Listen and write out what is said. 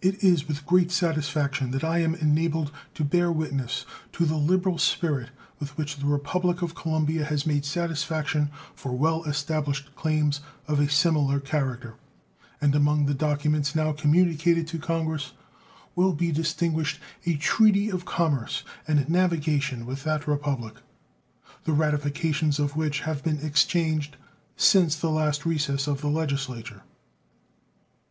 It is with great satisfaction that I am enabled to bear witness to the liberal spirit with which the Republic of Colombia has made satisfaction for well established claims of a similar character, and among the documents now communicated to Congress will be distinguished a treaty of commerce and navigation with that Republic, the ratifications of which have been exchanged since the last recess of the Legislature.